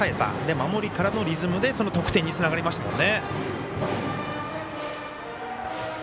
守りからのリズムでその得点につながりましたもんね。